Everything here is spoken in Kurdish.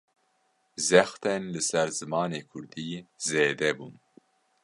Zextên li ser zimanê Kurdî, zêde bûn